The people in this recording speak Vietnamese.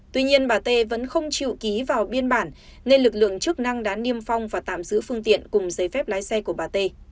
tuy nhiên bà tê vẫn không chịu ký vào biên bản nên lực lượng chức năng đã niêm phong và tạm giữ phương tiện cùng giấy phép lái xe của bà tê